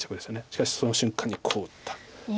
しかしその瞬間にこう打った。